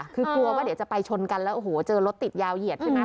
คือกลัวว่าเดี๋ยวจะไปชนกันแล้วโอ้โหเจอรถติดยาวเหยียดใช่ไหม